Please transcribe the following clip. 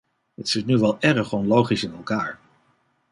Het zit nu wel erg onlogisch in elkaar.